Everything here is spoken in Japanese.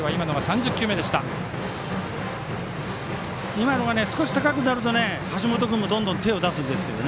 今のが少し高くなると橋本君もどんどん手を出すんですけど。